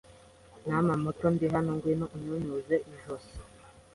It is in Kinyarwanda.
Ntama muto Ndi hanoNgwino unyunyuze ijosi